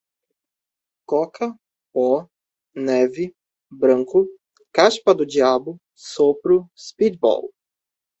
coca, pó, neve, branco, caspa do diabo, sopro, speedball